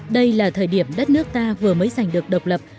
đây là thời điểm đất nước ta vừa mới giành được độc lập